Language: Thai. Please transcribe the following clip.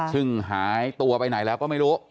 ซึ่งหายตัวไปไหนแล้วก็ไม่รู้